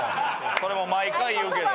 それも毎回言うけど。